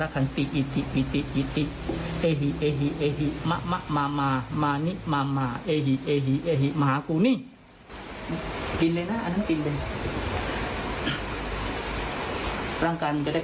กูเสกให้เป็นทอง